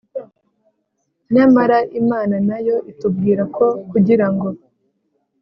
nyamara imana nayo itubwira ko kugirango